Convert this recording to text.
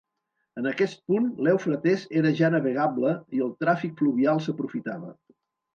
En aquest punt l'Eufrates era ja navegable i el tràfic fluvial s'aprofitava.